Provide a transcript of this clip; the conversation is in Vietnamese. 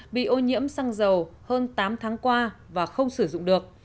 bị ô nhiễm xăng dầu hơn tám tháng qua và không sử dụng được